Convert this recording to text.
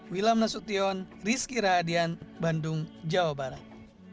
wilham nasution rizky rahadian bandung jawa barat